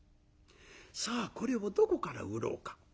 さあこれをどこから売ろうか。